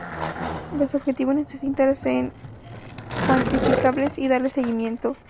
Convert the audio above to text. Los objetivos necesitan ser cuantificables y darles seguimiento.